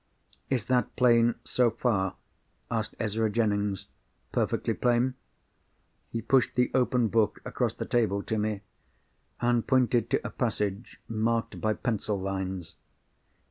"Is that plain, so far?" asked Ezra Jennings. "Perfectly plain." He pushed the open book across the table to me, and pointed to a passage, marked by pencil lines.